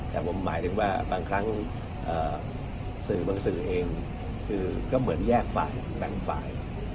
แต่ผมหมายถึงว่าบางครั้งสื่อบางสื่อเองคือก็เหมือนแยกฝ่ายแบ่งฝ่าย